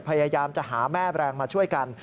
พยายามจะหาแม่แบรนด์มาช่วยกัน